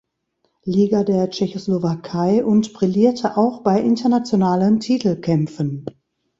Liga der Tschechoslowakei und brillierte auch bei internationalen Titelkämpfen.